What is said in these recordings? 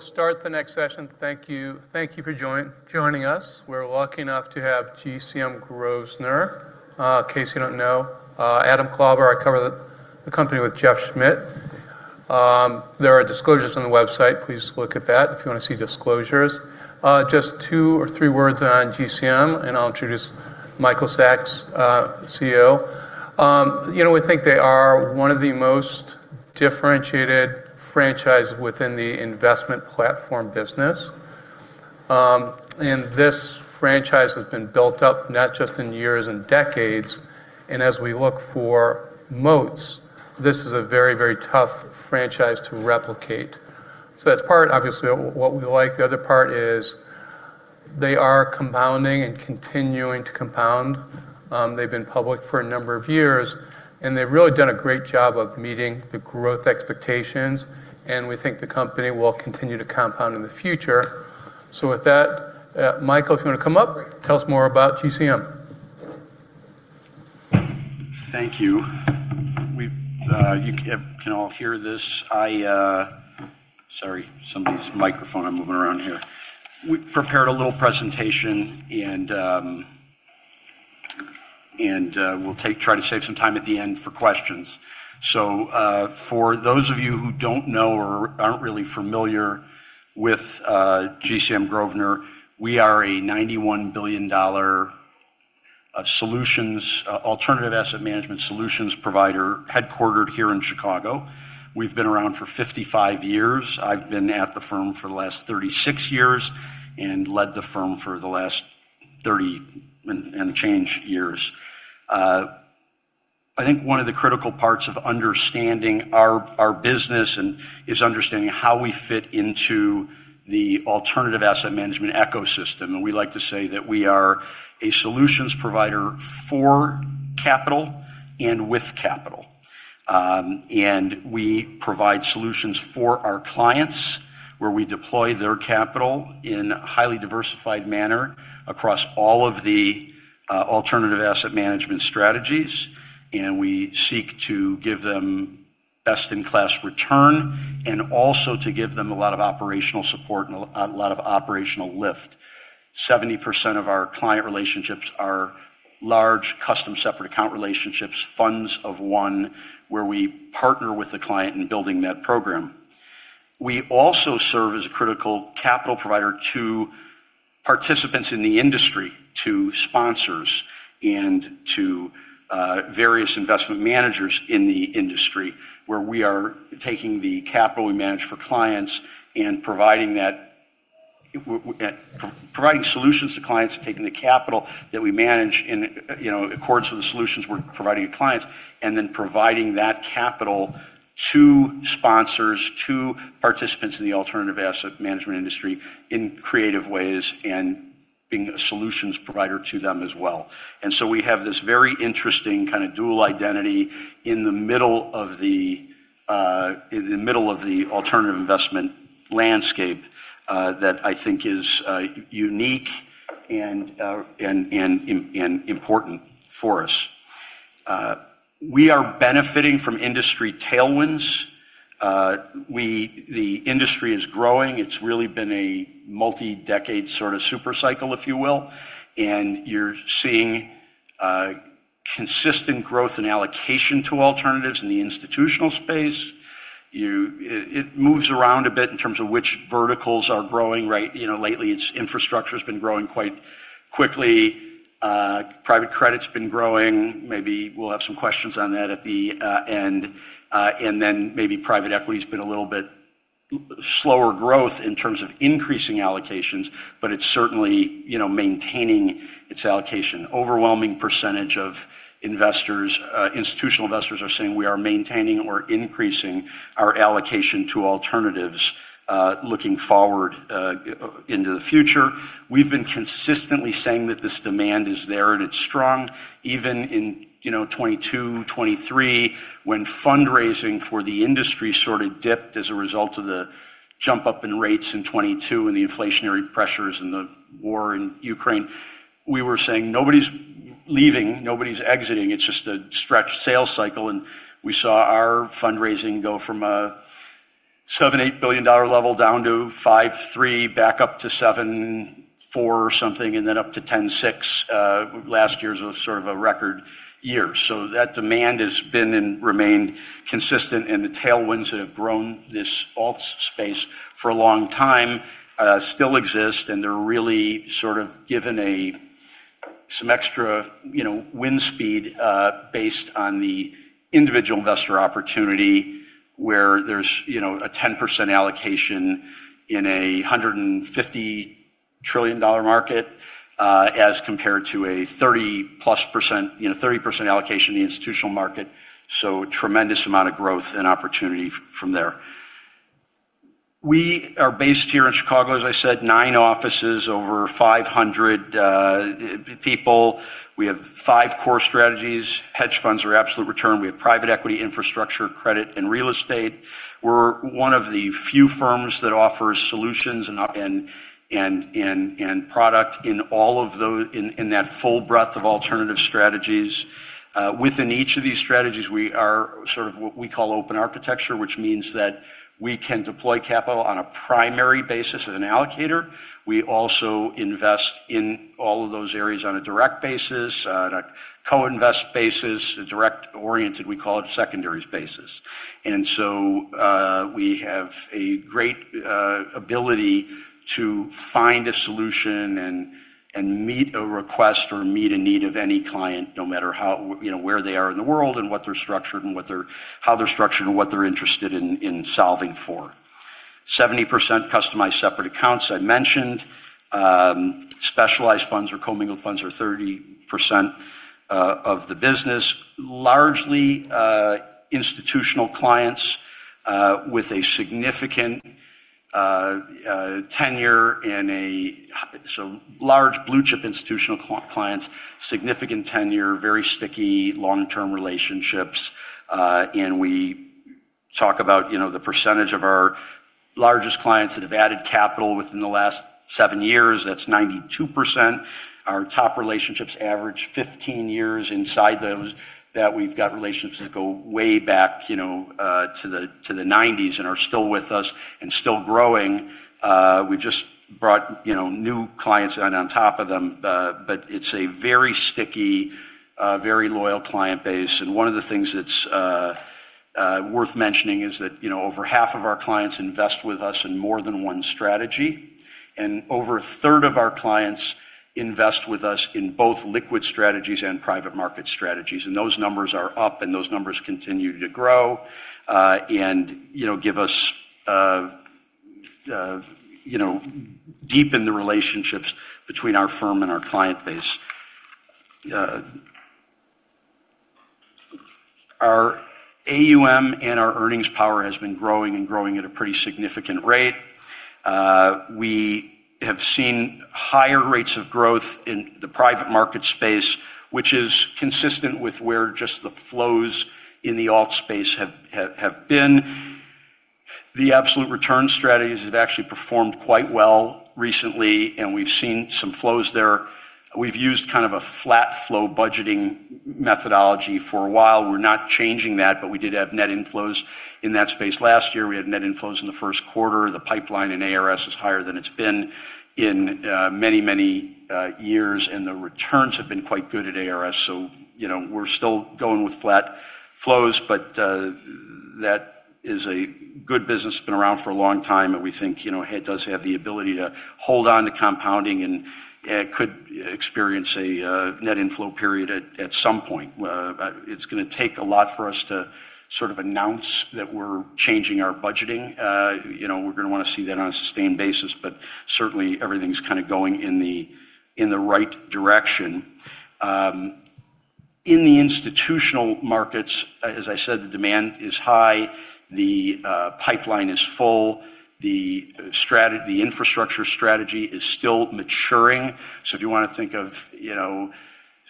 We will start the next session. Thank you for joining us. We're lucky enough to have GCM Grosvenor. In case you don't know, Adam Klauber, I cover the company with Jeff Schmitt. There are disclosures on the website. Please look at that if you want to see disclosures. Just two or three words on GCM. I'll introduce Michael Sacks, CEO. We think they are one of the most differentiated franchises within the investment platform business. This franchise has been built up not just in years and decades. As we look for moats, this is a very, very tough franchise to replicate. That's part, obviously, what we like. The other part is they are compounding and continuing to compound. They've been public for a number of years, and they've really done a great job of meeting the growth expectations, and we think the company will continue to compound in the future. With that, Michael, if you want to come up, tell us more about GCM. Thank you. You can all hear this? Sorry, somebody's microphone, I'm moving around here. We prepared a little presentation. We'll try to save some time at the end for questions. For those of you who don't know or aren't really familiar with GCM Grosvenor, we are a $91 billion alternative asset management solutions provider headquartered here in Chicago. We've been around for 55 years. I've been at the firm for the last 36 years and led the firm for the last 30 and change years. I think one of the critical parts of understanding our business is understanding how we fit into the alternative asset management ecosystem. We like to say that we are a solutions provider for capital and with capital. We provide solutions for our clients, where we deploy their capital in a highly diversified manner across all of the alternative asset management strategies, and we seek to give them best-in-class return, and also to give them a lot of operational support and a lot of operational lift. 70% of our client relationships are large, custom separate account relationships, funds of one, where we partner with the client in building that program. We also serve as a critical capital provider to participants in the industry, to sponsors, and to various investment managers in the industry, where we are taking the capital we manage for clients and providing solutions to clients, taking the capital that we manage in accordance with the solutions we're providing to clients, and then providing that capital to sponsors, to participants in the alternative asset management industry in creative ways and being a solutions provider to them as well. We have this very interesting kind of dual identity in the middle of the alternative investment landscape that I think is unique and important for us. We are benefiting from industry tailwinds. The industry is growing. It's really been a multi-decade sort of super cycle, if you will, and you're seeing consistent growth and allocation to alternatives in the institutional space. It moves around a bit in terms of which verticals are growing. Lately, its infrastructure's been growing quite quickly. Private credit's been growing. We'll have some questions on that at the end. Private equity's been a little bit slower growth in terms of increasing allocations, but it's certainly maintaining its allocation. Overwhelming percentage of institutional investors are saying we are maintaining or increasing our allocation to alternatives looking forward into the future. We've been consistently saying that this demand is there, and it's strong, even in 2022, 2023, when fundraising for the industry sort of dipped as a result of the jump up in rates in 2022 and the inflationary pressures and the war in Ukraine. We were saying nobody's leaving, nobody's exiting. It's just a stretched sales cycle, and we saw our fundraising go from a $7 billion-$8 billion level down to $5 billion, $3 billion, back up to $7 billion, $4 billion or something, and then up to $10 billion, $6 billion. Last year's a sort of a record year. That demand has been and remained consistent, and the tailwinds that have grown this alts space for a long time still exist, and they're really sort of given some extra wind speed based on the individual investor opportunity, where there's a 10% allocation in a $150 trillion market as compared to a 30% allocation in the institutional market. Tremendous amount of growth and opportunity from there. We are based here in Chicago, as I said, nine offices, over 500 people. We have five core strategies. Hedge funds are absolute return. We have private equity, infrastructure, credit, and real estate. We're one of the few firms that offers solutions and product in that full breadth of alternative strategies. Within each of these strategies, we are sort of what we call open architecture, which means that we can deploy capital on a primary basis as an allocator. We also invest in all of those areas on a direct basis, on a co-invest basis, a direct oriented, we call it secondaries basis. We have a great ability to find a solution and meet a request or meet a need of any client no matter where they are in the world and how they're structured and what they're interested in solving for. 70% customized separate accounts, I mentioned. Specialized funds or commingled funds are 30% of the business. Largely institutional clients with a significant tenure, large blue-chip institutional clients, significant tenure, very sticky, long-term relationships. We talk about the percentage of our largest clients that have added capital within the last seven years, that's 92%. Our top relationships average 15 years inside those, that we've got relationships that go way back to the 1990s and are still with us and still growing. We've just brought new clients on top of them. It's a very sticky, very loyal client base. One of the things that's worth mentioning is that over half of our clients invest with us in more than one strategy, and over a third of our clients invest with us in both liquid strategies and private market strategies. Those numbers are up and those numbers continue to grow and deepen the relationships between our firm and our client base. Our AUM and our earnings power has been growing and growing at a pretty significant rate. We have seen higher rates of growth in the private market space, which is consistent with where just the flows in the alt space have been. The absolute return strategies have actually performed quite well recently, and we've seen some flows there. We've used a flat flow budgeting methodology for a while. We're not changing that, but we did have net inflows in that space last year. We had net inflows in the first quarter. The pipeline in ARS is higher than it's been in many, many years, and the returns have been quite good at ARS, so we're still going with flat flows, but that is a good business. It's been around for a long time, and we think it does have the ability to hold on to compounding and could experience a net inflow period at some point. It's going to take a lot for us to announce that we're changing our budgeting. We're going to want to see that on a sustained basis, but certainly everything's going in the right direction. In the institutional markets, as I said, the demand is high. The pipeline is full. The infrastructure strategy is still maturing. If you want to think of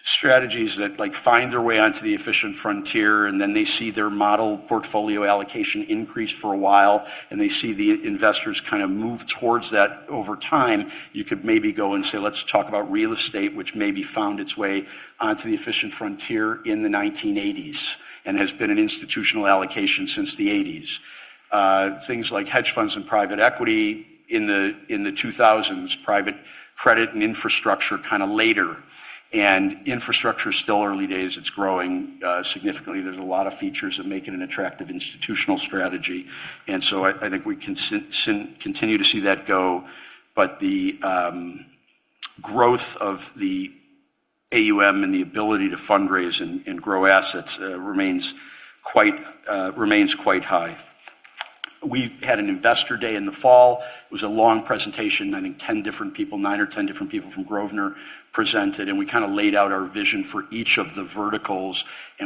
strategies that find their way onto the efficient frontier, and then they see their model portfolio allocation increase for a while, and they see the investors move towards that over time, you could maybe go and say, let's talk about real estate, which maybe found its way onto the efficient frontier in the 1980s and has been an institutional allocation since the 1980s. Things like hedge funds and private equity in the 2000s, private credit and infrastructure later. Infrastructure's still early days. It's growing significantly. There's a lot of features that make it an attractive institutional strategy. I think we continue to see that go. The growth of the AUM and the ability to fundraise and grow assets remains quite high. We had an investor day in the fall. It was a long presentation. I think 10 different people, nine or 10 different people from Grosvenor presented. We laid out our vision for each of the verticals.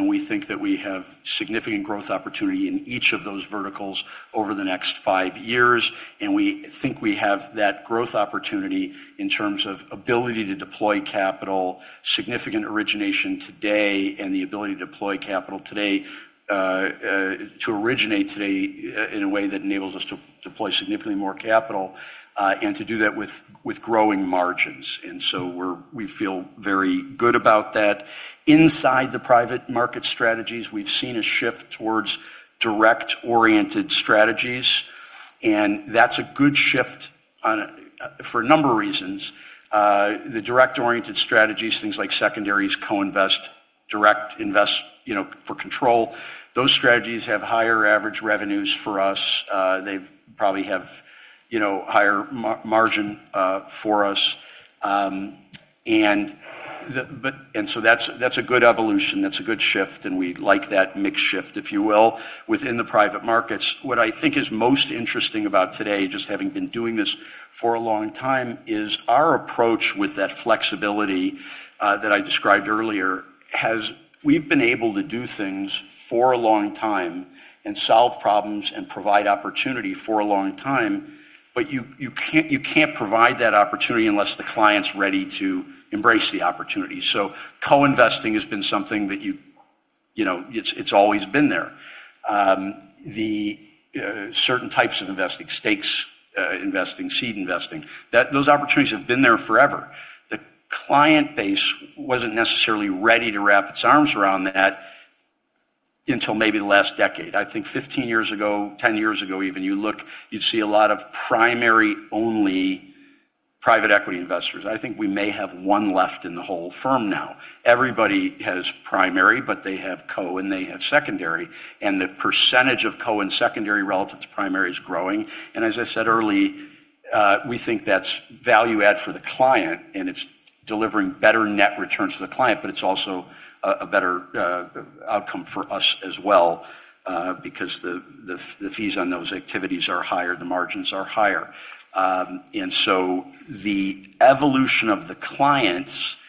We think that we have significant growth opportunity in each of those verticals over the next five years. We think we have that growth opportunity in terms of ability to deploy capital, significant origination today, and the ability to deploy capital today, to originate today in a way that enables us to deploy significantly more capital. To do that with growing margins. We feel very good about that. Inside the private market strategies, we've seen a shift towards direct-oriented strategies, and that's a good shift for a number of reasons. The direct-oriented strategies, things like secondaries, co-invest, direct invest for control, those strategies have higher average revenues for us. They probably have higher margin for us. That's a good evolution. That's a good shift, and we like that mix shift, if you will, within the private markets. What I think is most interesting about today, just having been doing this for a long time, is our approach with that flexibility that I described earlier, we've been able to do things for a long time and solve problems and provide opportunity for a long time. You can't provide that opportunity unless the client's ready to embrace the opportunity. Co-investing has been something that, it's always been there. The certain types of investing, stakes investing, seed investing, those opportunities have been there forever. The client base wasn't necessarily ready to wrap its arms around that until maybe the last decade. I think 15 years ago, 10 years ago even, you'd see a lot of primary-only private equity investors. I think we may have one left in the whole firm now. Everybody has primary, but they have co- and they have secondary, and the percentage of co- and secondary relative to primary is growing. As I said earlier, we think that's value add for the client, and it's delivering better net returns to the client, but it's also a better outcome for us as well, because the fees on those activities are higher, the margins are higher. The evolution of the clients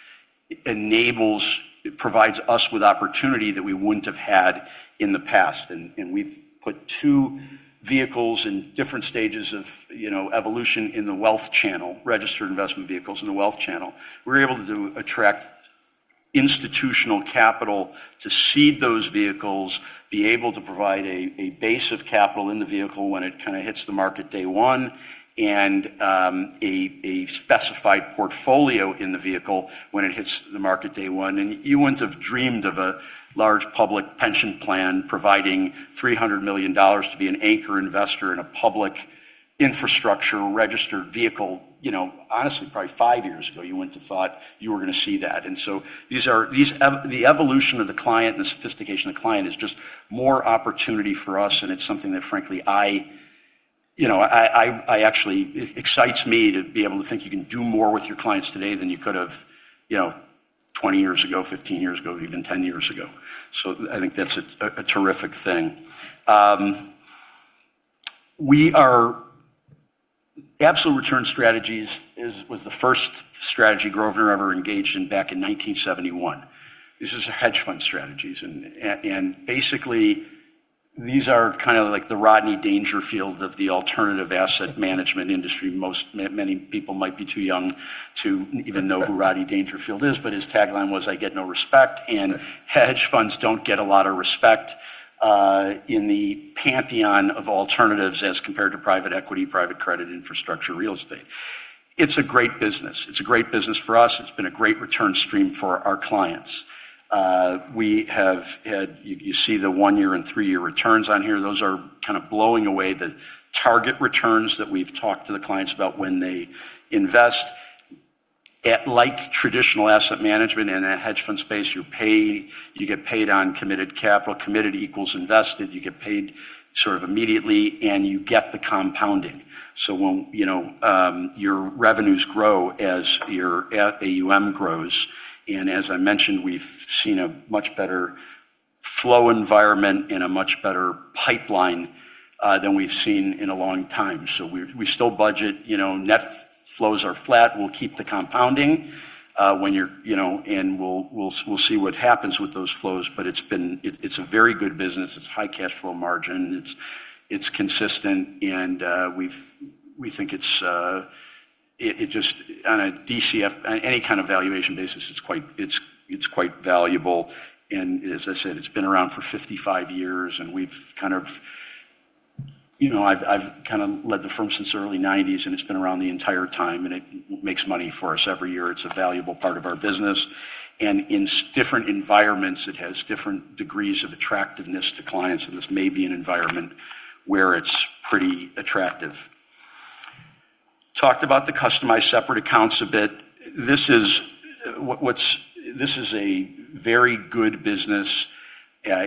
provides us with opportunity that we wouldn't have had in the past, and we've put two vehicles in different stages of evolution in the wealth channel, registered investment vehicles in the wealth channel. We're able to attract institutional capital to seed those vehicles, be able to provide a base of capital in the vehicle when it hits the market day one, and a specified portfolio in the vehicle when it hits the market day one. You wouldn't have dreamed of a large public pension plan providing $300 million to be an anchor investor in a public infrastructure registered vehicle. Honestly, probably five years ago, you wouldn't have thought you were going to see that. The evolution of the client and the sophistication of the client is just more opportunity for us, and it's something that frankly, actually excites me to be able to think you can do more with your clients today than you could have 20 years ago, 15 years ago, even 10 years ago. I think that's a terrific thing. Absolute return strategies was the first strategy Grosvenor ever engaged in back in 1971. This is hedge fund strategies, and basically, these are like the Rodney Dangerfield of the alternative asset management industry. Many people might be too young to even know who Rodney Dangerfield is, but his tagline was, "I get no respect" and hedge funds don't get a lot of respect in the pantheon of alternatives as compared to private equity, private credit, infrastructure, real estate. It's a great business. It's a great business for us. It's been a great return stream for our clients. You see the one year and three-year returns on here. Those are blowing away the target returns that we've talked to the clients about when they invest. Like traditional asset management and in a hedge fund space, you get paid on committed capital. Committed equals invested. You get paid immediately, and you get the compounding. Your revenues grow as your AUM grows, and as I mentioned, we've seen a much better flow environment and a much better pipeline than we've seen in a long time. We still budget. Net flows are flat. We'll keep the compounding, and we'll see what happens with those flows, but it's a very good business. It's high cash flow margin. It's consistent, and we think on a DCF, any kind of valuation basis, it's quite valuable. As I said, it's been around for 55 years, and I've led the firm since the early 1990s, and it's been around the entire time, and it makes money for us every year. It's a valuable part of our business. In different environments, it has different degrees of attractiveness to clients, and this may be an environment where it's pretty attractive. Talked about the customized separate accounts a bit. This is a very good business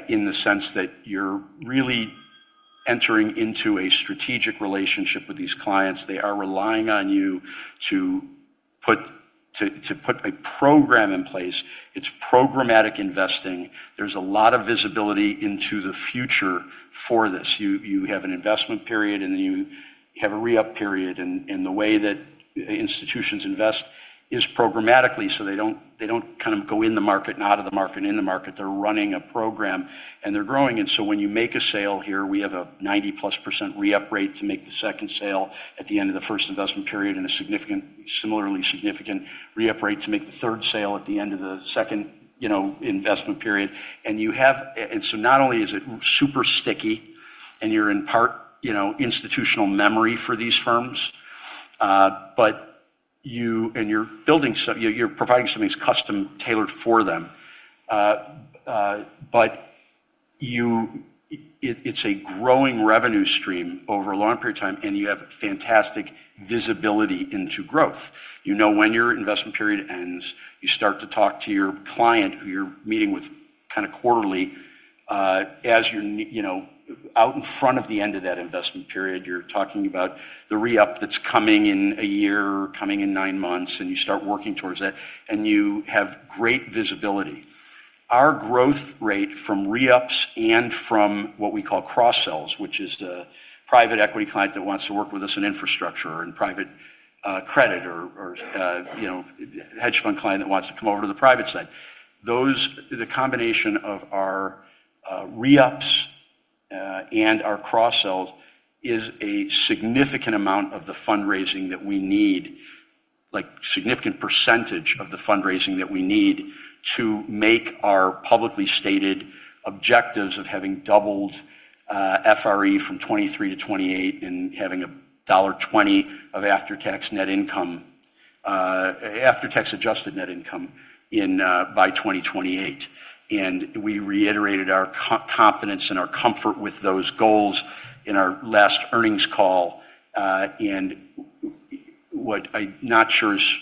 in the sense that you're really entering into a strategic relationship with these clients. They are relying on you to put a program in place. It's programmatic investing. There's a lot of visibility into the future for this. You have an investment period, and then you have a re-up period, and the way that institutions invest is programmatically, so they don't go in the market and out of the market and in the market. They're running a program, and they're growing. When you make a sale here, we have a 90%+ re-up rate to make the second sale at the end of the first investment period and a similarly significant re-up rate to make the third sale at the end of the second investment period. Not only is it super sticky and you're in part institutional memory for these firms, and you're providing something that's custom-tailored for them, but it's a growing revenue stream over a long period of time, and you have fantastic visibility into growth. You know when your investment period ends. You start to talk to your client who you're meeting with quarterly. Out in front of the end of that investment period, you're talking about the re-up that's coming in one year or coming in nine months, and you start working towards that, and you have great visibility. Our growth rate from re-ups and from what we call cross-sells, which is the private equity client that wants to work with us in infrastructure and private credit or hedge fund client that wants to come over to the private side. The combination of our re-ups and our cross-sells is a significant amount of the fundraising that we need, significant percentage of the fundraising that we need to make our publicly stated objectives of having doubled FRE from 2023-2028 and having a $1.20 of after-tax adjusted net income by 2028. We reiterated our confidence and our comfort with those goals in our last earnings call. What I'm not sure is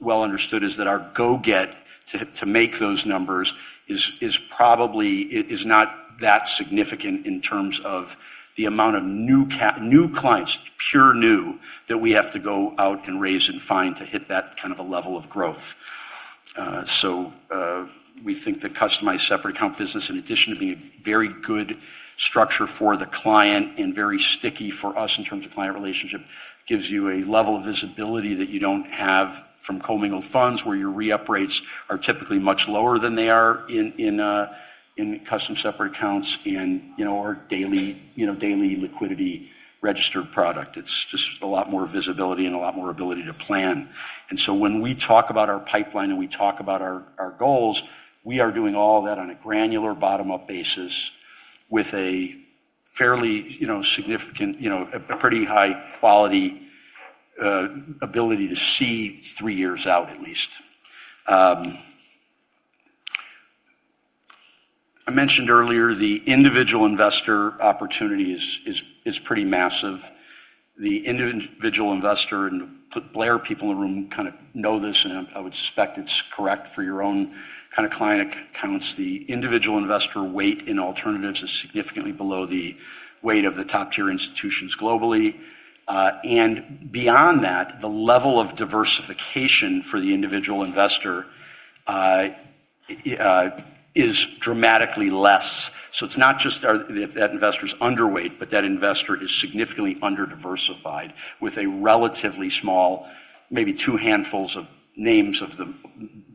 well understood is that our go get to make those numbers is not that significant in terms of the amount of new clients, pure new, that we have to go out and raise and find to hit that kind of a level of growth. We think the customized separate account business, in addition to being a very good structure for the client and very sticky for us in terms of client relationship, gives you a level of visibility that you don't have from commingled funds where your re-up rates are typically much lower than they are in custom separate accounts and our daily liquidity registered product. It's just a lot more visibility and a lot more ability to plan. When we talk about our pipeline and we talk about our goals, we are doing all that on a granular bottom-up basis with a fairly significant, a pretty high-quality ability to see three years out at least. I mentioned earlier the individual investor opportunity is pretty massive. The individual investor, and Blair people in the room know this, and I would suspect it's correct for your own kind of client accounts, the individual investor weight in alternatives is significantly below the weight of the top-tier institutions globally. Beyond that, the level of diversification for the individual investor is dramatically less. It's not just that investor's underweight, but that investor is significantly under-diversified with a relatively small, maybe two handfuls of names of the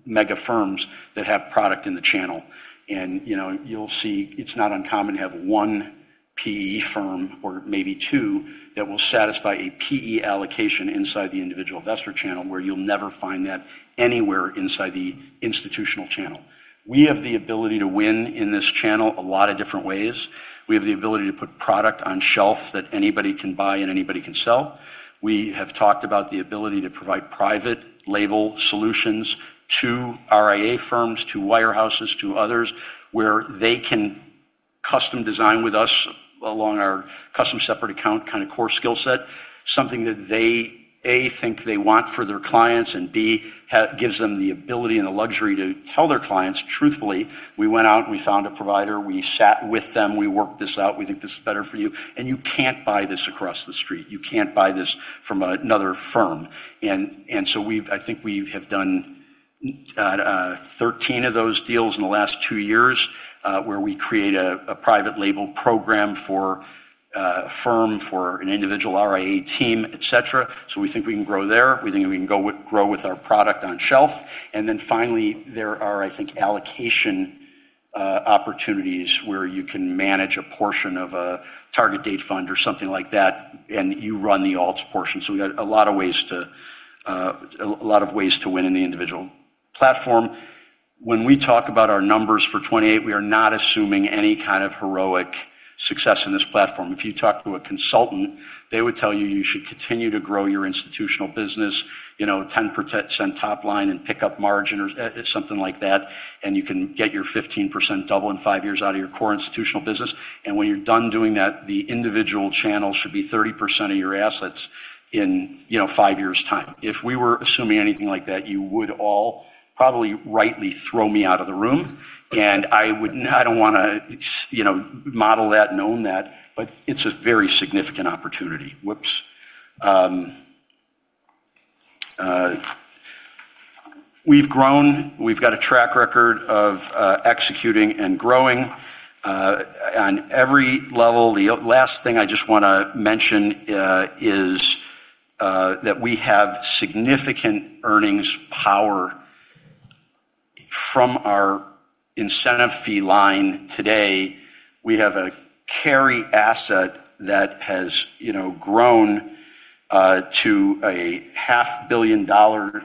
mega firms that have product in the channel. You'll see it's not uncommon to have one PE firm or maybe two that will satisfy a PE allocation inside the individual investor channel, where you'll never find that anywhere inside the institutional channel. We have the ability to win in this channel a lot of different ways. We have the ability to put product on shelf that anybody can buy and anybody can sell. We have talked about the ability to provide private label solutions to RIA firms, to wirehouses, to others, where they can custom design with us along our custom separate account core skill set, something that they, A, think they want for their clients, and B, gives them the ability and the luxury to tell their clients truthfully, "We went out and we found a provider. We sat with them. We worked this out. We think this is better for you, and you can't buy this across the street. You can't buy this from another firm." I think we have done 13 of those deals in the last two years, where we create a private label program for a firm, for an individual RIA team, et cetera. We think we can grow there. We think we can grow with our product on shelf. Finally, there are, I think, allocation opportunities where you can manage a portion of a target date fund or something like that, and you run the alts portion. We got a lot of ways to win in the individual platform. When we talk about our numbers for 2028, we are not assuming any kind of heroic success in this platform. If you talk to a consultant, they would tell you you should continue to grow your institutional business 10% top line and pick up margin or something like that, and you can get your 15% double in five years out of your core institutional business. When you're done doing that, the individual channel should be 30% of your assets in five years' time. If we were assuming anything like that, you would all probably rightly throw me out of the room, and I don't want to model that and own that, but it's a very significant opportunity. Whoops. We've grown. We've got a track record of executing and growing on every level. The last thing I just want to mention is that we have significant earnings power from our incentive fee line today. We have a carry asset that has grown to a half billion dollar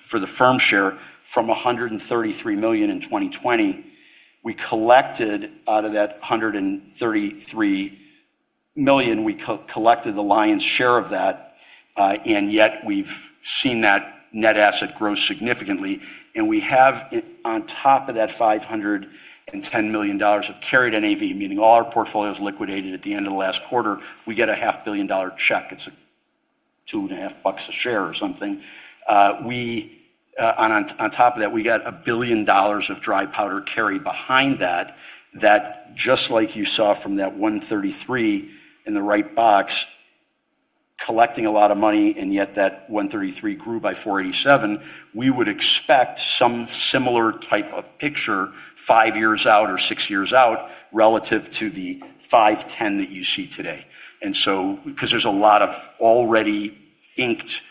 for the firm share from $133 million in 2020. Out of that $133 million, we collected the lion's share of that, and yet we've seen that net asset grow significantly, and we have on top of that $510 million of carried NAV, meaning all our portfolios liquidated at the end of the last quarter, we get a $500 million check. It's $2.50 a share or something. On top of that, we got $1 billion of dry powder carry behind that just like you saw from that 133 in the right box, collecting a lot of money, and yet that $133 million grew by $487 million, we would expect some similar type of picture five years out or six years out relative to the $510 million that you see today. Because there's a lot of already linked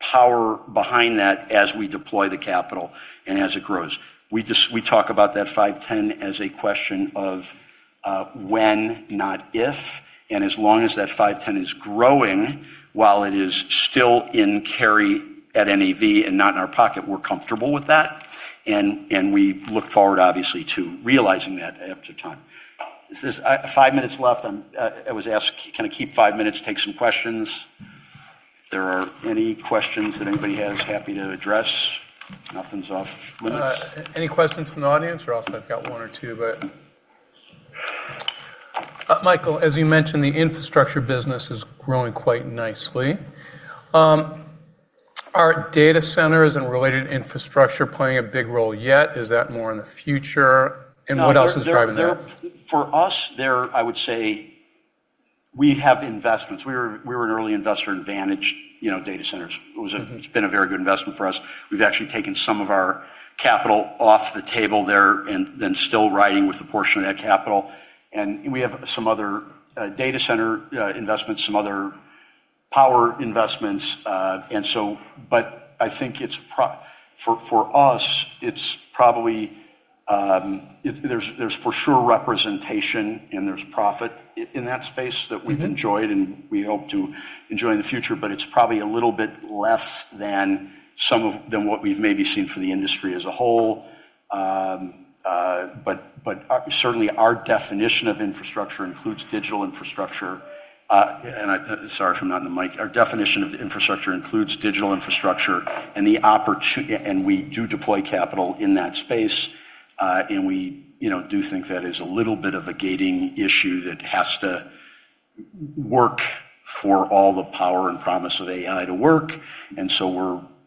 power behind that as we deploy the capital and as it grows. We talk about that $510 million as a question of when, not if, and as long as that $510 million is growing while it is still in carry at NAV and not in our pocket, we're comfortable with that. We look forward, obviously, to realizing that after time. Five minutes left. I was asked can I keep five minutes, take some questions. If there are any questions that anybody has, happy to address. Nothing's off-limits. Any questions from the audience? Else I've got one or two. Michael, as you mentioned, the infrastructure business is growing quite nicely. Are data centers and related infrastructure playing a big role yet? Is that more in the future? What else is driving that? For us, I would say we have investments. We were an early investor in Vantage Data Centers. It's been a very good investment for us. We've actually taken some of our capital off the table there, and then still riding with a portion of that capital. We have some other data center investments, some other power investments. I think for us, there's for sure representation and there's profit in that space. that we've enjoyed and we hope to enjoy in the future. It's probably a little bit less than what we've maybe seen for the industry as a whole. Certainly, our definition of infrastructure includes digital infrastructure. Sorry for not in the mic. Our definition of infrastructure includes digital infrastructure and we do deploy capital in that space. We do think that is a little bit of a gating issue that has to work for all the power and promise of AI to work.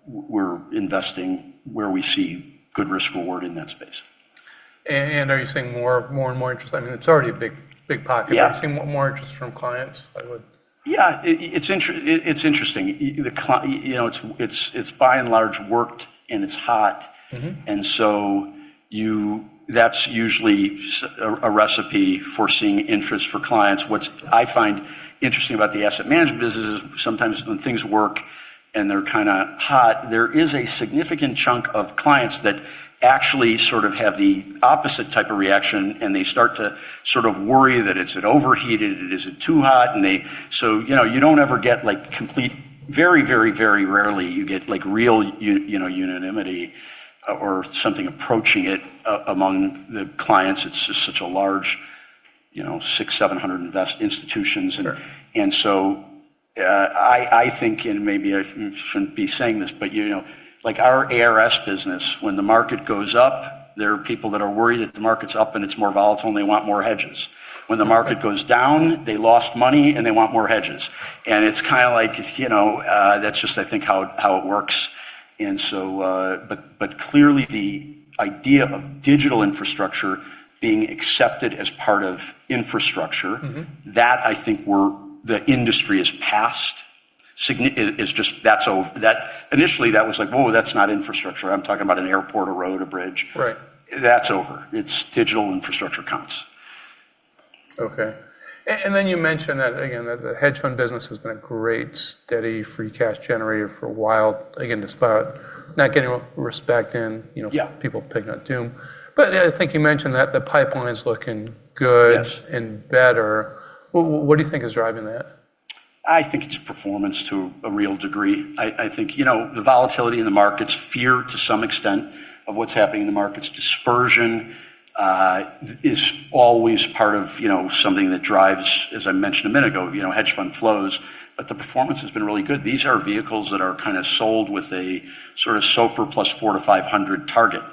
We're investing where we see good risk-reward in that space. Are you seeing more and more interest? It's already a big pocket. Yeah. Are you seeing more interest from clients, by the way? Yeah. It's interesting. It's by and large worked, and it's hot. That's usually a recipe for seeing interest for clients. What I find interesting about the asset management business is sometimes when things work and they're hot, there is a significant chunk of clients that actually sort of have the opposite type of reaction, and they start to worry that is it overheated, is it too hot? Very, very rarely you get real unanimity or something approaching it among the clients. It's just such a large six, 700 invest institutions. Sure. I think, and maybe I shouldn't be saying this, but our ARS business, when the market goes up, there are people that are worried that the market's up and it's more volatile, and they want more hedges. When the market goes down, they lost money, and they want more hedges. It's like that's just I think how it works. Clearly the idea of digital infrastructure being accepted as part of infrastructure. That I think the industry is past. Initially, that was like, "Whoa, that's not infrastructure. I'm talking about an airport, a road, a bridge." Right. That's over. It's digital infrastructure counts. Okay. You mentioned that again, that the hedge fund business has been a great steady free cash generator for a while. Again, despite not getting respect. Yeah. People picking on doom. I think you mentioned that the pipeline's looking good. Yes. Better. What do you think is driving that? I think it's performance to a real degree. I think the volatility in the markets, fear to some extent of what's happening in the markets, dispersion is always part of something that drives, as I mentioned a minute ago, hedge fund flows. The performance has been really good. These are vehicles that are kind of sold with a sort of SOFR + 400-500 target.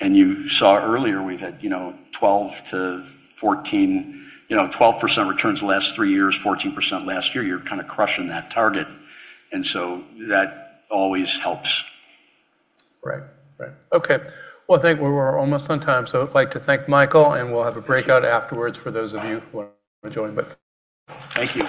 You saw earlier we've had 12% returns the last three years, 14% last year. You're kind of crushing that target, and so that always helps. Right. Okay. Well, I think we're almost on time, so I'd like to thank Michael, and we'll have a breakout afterwards for those of you who want to join. Thank you.